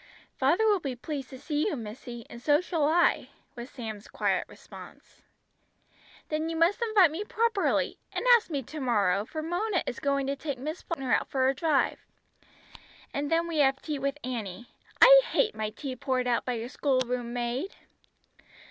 "Father will be pleased to see you, missy, and so shall I," was Sam's quiet response. "Then you must invite me properly, and ask me to morrow, for Mona is going to take Miss Falkner out for a drive. And then we have tea with Annie. I hate my tea poured out by a schoolroom maid!"